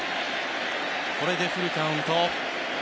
これでフルカウント。